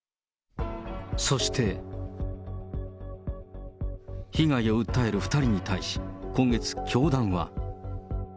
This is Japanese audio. そして被害を訴える２人に対し、今月、教団は。